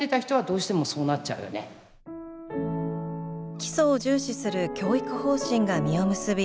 基礎を重視する教育方針が実を結び